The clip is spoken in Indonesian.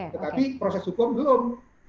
tetapi proses hukum belum